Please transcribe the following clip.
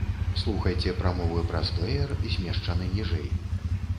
Слухайце прамовы праз плэер, змешчаны ніжэй.